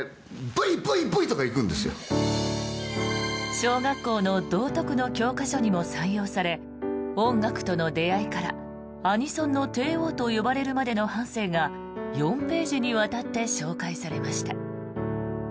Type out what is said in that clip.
小学校の道徳の教科書にも採用され音楽との出会いからアニソンの帝王と呼ばれるまでの半生が４ページにわたって紹介されました。